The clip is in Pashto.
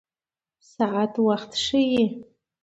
ساعت وخت ښيي